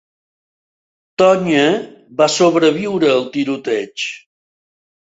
Tonya va sobreviure al tiroteig.